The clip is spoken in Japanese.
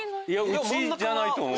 うちじゃないと思う。